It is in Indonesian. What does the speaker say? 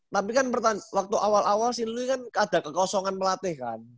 tapi kan waktu awal awal sih lu kan ada kekosongan pelatih kan